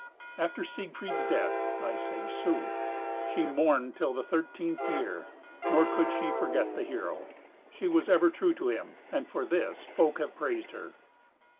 After Siegfried's death (I say sooth) she mourned till the thirteenth year, nor could she forget the hero. She was ever true to him, and for this folk have praised her.